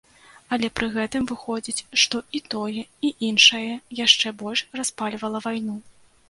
Але пры гэтым выходзіць, што і тое, і іншае яшчэ больш распальвала вайну.